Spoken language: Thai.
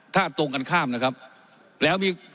ถ้าตรงกันข้ามนะครับแล้วมีมีการตั้ง